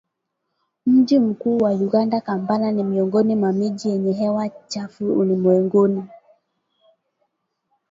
Mji mkuu wa Uganda, Kampala ni miongoni mwa miji yenye hewa chafu ulimwenguni